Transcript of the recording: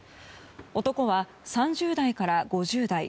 男は３０代から５０代。